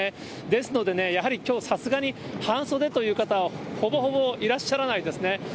ですのでね、やはりきょう、さすがに半袖という方、ほぼほぼいらっしゃらないですね。